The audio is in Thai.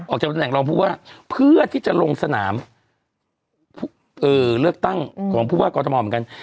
ออกจากตำแหนรองผู้ว่าเพื่อที่จะลงสนามเลือกตั้งของผู้ว่ากอทมเหมือนกัน